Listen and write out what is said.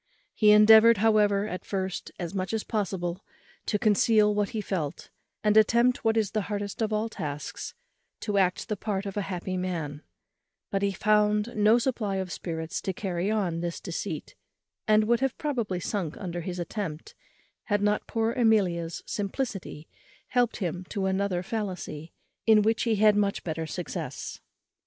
He endeavoured, however, at first, as much as possible, to conceal what he felt, and attempted what is the hardest of all tasks, to act the part of a happy man; but he found no supply of spirits to carry on this deceit, and would have probably sunk under his attempt, had not poor Amelia's simplicity helped him to another fallacy, in which he had much better success.